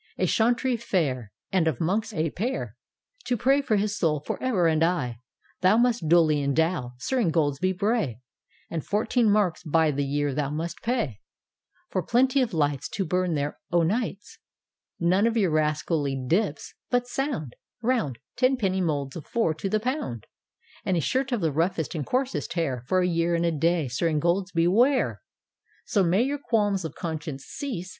— A chauntry fair. And of Monks a pair. To pray for hb soul for ever and aye, Thou must duly endow. Sir Ingoldsby Bray, And fourteen marks by the year thou must pay For plenty of lights To bum there o' nights — None of your rascally ' dips '— but sound, Round, tep penny moulds of four to the pound; — And a shirt of the roughest and coarsest hair For a year and a day, Sir Ingoldsby, wear! — So may your qualms of conscience cease.